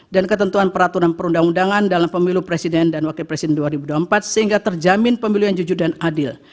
dan ketentuan peraturan perundang undangan dalam pemilu presiden dan wakil presiden dua ribu empat sehingga terjamin pemilu yang jujur dan adil